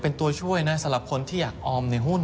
เป็นตัวช่วยนะสำหรับคนที่อยากออมในหุ้น